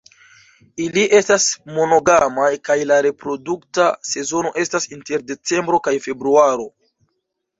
Ili estas monogamaj kaj la reprodukta sezono estas inter decembro kaj februaro.